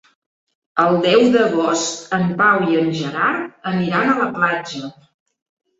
El deu d'agost en Pau i en Gerard aniran a la platja.